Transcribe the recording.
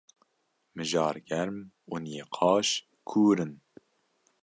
Mijar germ û nîqaş kûr in.